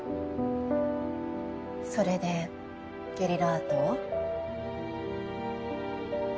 それでゲリラアートを？